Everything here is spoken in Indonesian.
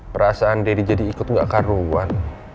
perasaan deddy jadi ikut gak karuan